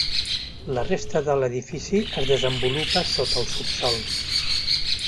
La resta de l'edifici es desenvolupa sota el subsòl.